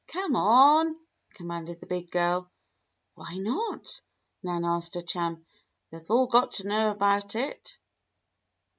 "Come on!" commanded the big girl. "Why not?" Nan asked her chum. "They've all got to know about it."